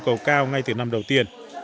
chứ không nên là giảm tải